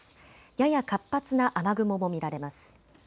やや活発な雨雲も見られます。